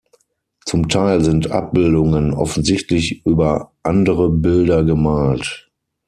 Zum Teil sind Abbildungen offensichtlich über andere Bilder gemalt.